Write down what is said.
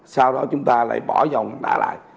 sau đó chúng ta lại bỏ vòng đá lại